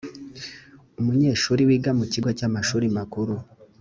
umunyeshuri wiga mu kigo cy amashuri makuru